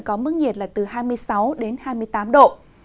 có mức nhiệt là từ hai mươi sáu đến hai mươi tám độ